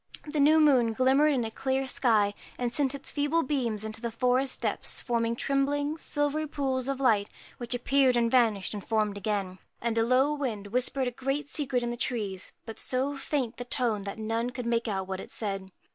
The new moon glimmered in a clear sky, and sent its feeble beams into the forest deeps, forming little trembling, silvery pools of light, which appeared and vanished, and formed again. And a low wind whispered a great secret in the trees, but so faint was the tone that none could make out what it said.